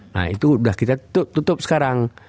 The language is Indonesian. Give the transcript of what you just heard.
nah itu sudah kita tutup sekarang